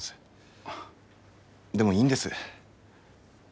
でもいいんです。